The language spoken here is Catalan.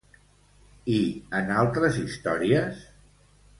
I en altres històries?